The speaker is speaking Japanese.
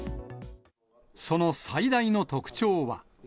その最大の特徴は。